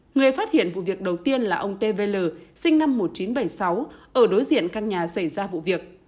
người phát hiện vụ việc đầu tiên là ông tv l sinh năm một nghìn chín trăm bảy mươi sáu ở đối diện căn nhà xảy ra vụ việc